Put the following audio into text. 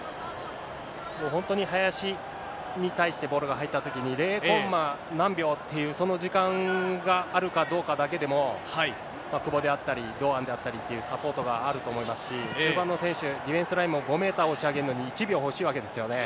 もう本当に林に対してボールが入ったときに、０コンマ何秒っていうその時間があるかどうかだけでも、久保であったり、堂安であったりっていうサポートがあると思いますし、中盤の選手、ディフェンスラインを５メーター押し上げるのに、１秒欲しいわけですよね。